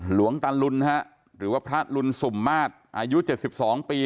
หลวงตันลุนฮะหรือว่าพระลุนสุมมาตรอายุเจ็ดสิบสองปี